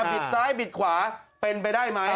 บิดซ้ายบิดขวาเป็นไปได้ไหม